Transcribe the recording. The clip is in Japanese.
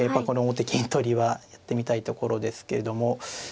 この王手金取りはやってみたいところですけれども。